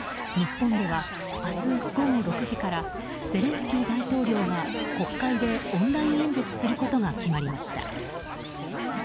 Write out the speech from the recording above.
日本では明日午後６時からゼレンスキー大統領が国会でオンライン演説することが決まりました。